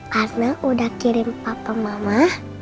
karena udah kirim papa mama